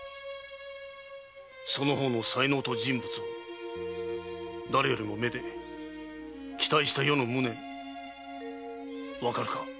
その方の才能と人物を誰よりも愛で期待した余の無念わかるか？